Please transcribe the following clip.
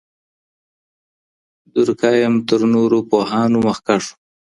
دورکهايم تر نورو پوهانو مخکښ و.